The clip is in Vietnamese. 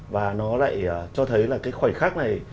và nó lại cho thấy là cái khoảnh khắc này